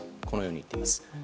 このように言っています。